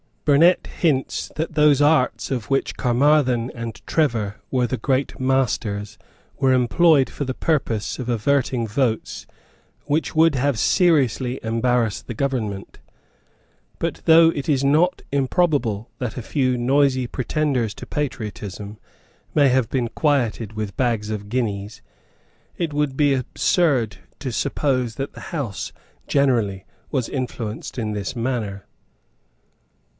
Burnet hints that those arts of which Caermarthen and Trevor were the great masters were employed for the purpose of averting votes which would have seriously embarrassed the government. But, though it is not improbable that a few noisy pretenders to patriotism may have been quieted with bags of guineas, it would be absurd to suppose that the House generally was influenced in this manner.